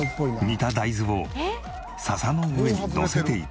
煮た大豆を笹の上にのせていく。